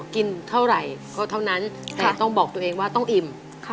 กินเท่าไหร่ก็เท่านั้นแต่ต้องบอกตัวเองว่าต้องอิ่ม